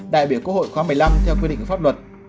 đại biểu quốc hội khóa một mươi năm theo quy định của pháp luật